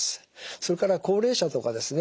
それから高齢者とかですね